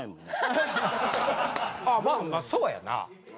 あまあそうやな。